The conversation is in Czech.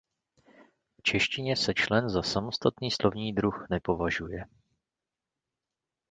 V češtině se člen za samostatný slovní druh nepovažuje.